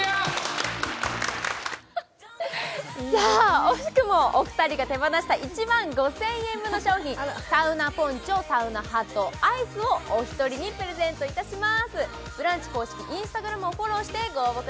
惜しくもお二人が手放した１万５０００円分の商品サウナポンチョ、サウナハット、アイスをお一人にプレゼントします。